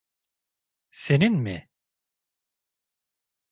Senin mi?